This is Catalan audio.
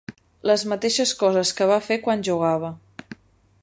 Les mateixes coses que va fer quan jugava.